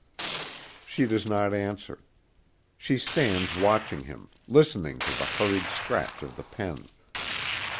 She does not answer. She stands watching him, listening to the hurried scratch of the pen.